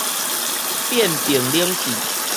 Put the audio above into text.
變頻冷氣